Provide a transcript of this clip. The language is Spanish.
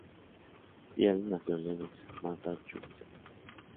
Field nació en Lenox, Massachusetts.